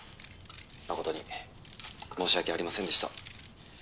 まことに申し訳ありませんでした！